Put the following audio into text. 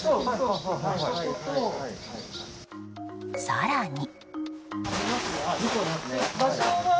更に。